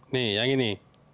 nih yang ini